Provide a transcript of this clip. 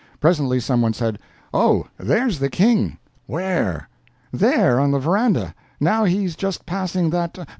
Presently someone said: "Oh, there's the King!" "Where?" "There—on the verandah—now, he's just passing that—.